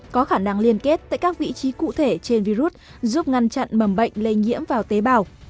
có khả năng liên kết tại các vị trí cụ thể trên virus giúp ngăn chặn mầm bệnh lây nhiễm vào tế bào